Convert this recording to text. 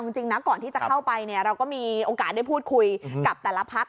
จริงนะก่อนที่จะเข้าไปเนี่ยเราก็มีโอกาสได้พูดคุยกับแต่ละพัก